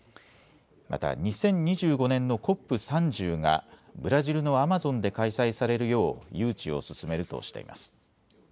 また２０２５年のＣＯＰ３０がブラジルのアマゾンで開催されるよう誘致を進めるとしています。